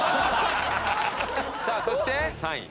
さあそして３位。